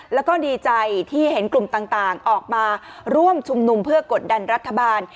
แล้วก็ดีใจที่เห็นกลุ่มต่างออกมาร่วมชุมนุมเพื่อกดดันรัฐบาล